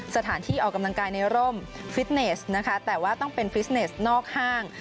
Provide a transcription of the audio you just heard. สถานที่ออกกำลังกายในร่มฟิตเนสนะคะแต่ว่าต้องเป็นฟิสเนสนอกห้าง